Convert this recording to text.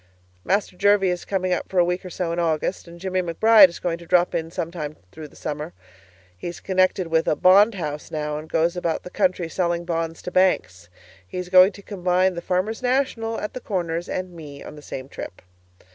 Master Jervie is coming up for a week or so in August, and Jimmie McBride is going to drop in sometime through the summer. He's connected with a bond house now, and goes about the country selling bonds to banks. He's going to combine the 'Farmers' National' at the Corners and me on the same trip.